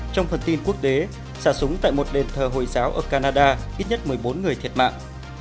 trong phần tin quốc tế xả súng tại một đền thờ hồi giáo ở canada ít nhất một mươi bốn người thiệt mạng